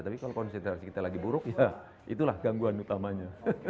tapi kalau konsentrasi kita lagi buruk ya itulah gangguan utamanya